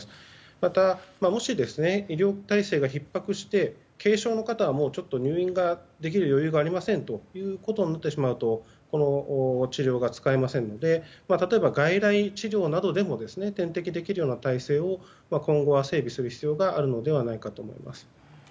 また、もし医療体制がひっ迫して軽症の方はできる余裕がありませんということになってしまうとこの治療が使えませんので例えば外来治療などでも点滴できるような体制を今後は整備する必要があるのではないかと思います。